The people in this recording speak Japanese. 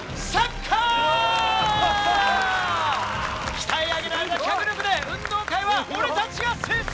鍛え上げられた脚力で運動会は俺たちが制す！